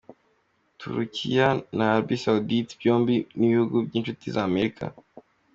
Turukiya na Arabie Saoudite byombi ni ibihugu by'inshuti z'Amerika.